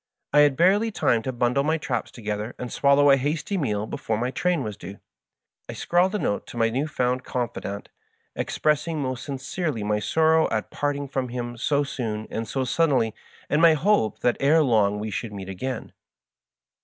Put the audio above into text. I had barely time to bundle my traps together and swallow a hasly meal before my train was due. I scrawled a note to my new found confidant, expressing most sincerely my sorrow at parting from him so soon and so suddenly, and my hope that ere long we should meet again. in.